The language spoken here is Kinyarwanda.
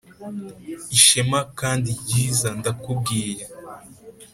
ishema kandi ryiza, ndakubwiye!